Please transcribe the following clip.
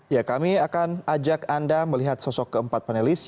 ya kami akan ajak anda melihat sosok keempat panelis